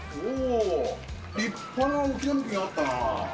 立派な置きだぬきがあったな。